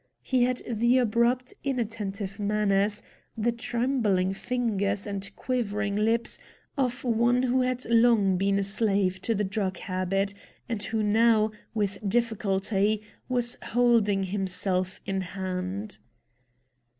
He had the abrupt, inattentive manners, the trembling fingers and quivering lips, of one who had long been a slave to the drug habit, and who now, with difficulty, was holding himself in hand.